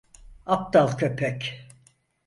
Aptal köpek.